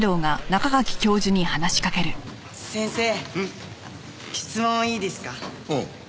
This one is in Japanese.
先生質問いいですか？